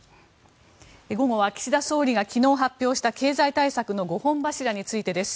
午後は岸田総理が昨日発表した経済対策の５本柱についてです。